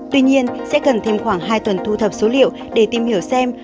tuy nhiên sẽ cần thêm khoảng hai tuần thu thập số liệu để tìm hiểu xem